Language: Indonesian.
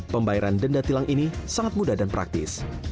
pembayaran denda tilang ini sangat mudah dan praktis